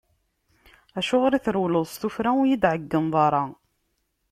Acuɣer i trewleḍ s tuffra, ur yi-d-tɛeggneḍ ara?